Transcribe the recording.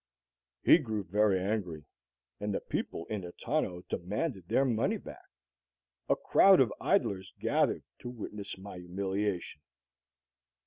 He grew very angry, and the people in the tonneau demanded their money back. A crowd of idlers gathered to witness my humiliation.